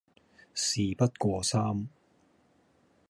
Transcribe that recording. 事不過三